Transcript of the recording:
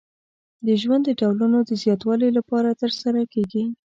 د ژوند د ډولونو د زیاتوالي لپاره ترسره کیږي.